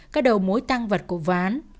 các đầu mối tăng vật của vụ án